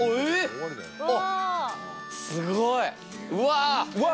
すごい！うわ。